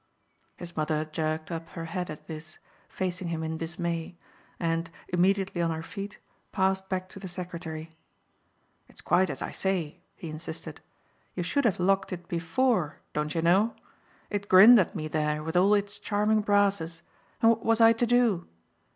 His mother jerked up her head at this, facing him in dismay, and, immediately on her feet, passed back to the secretary. "It's quite as I say," he insisted; "you should have locked it BEFORE, don't you know? It grinned at me there with all its charming brasses, and what was I to do?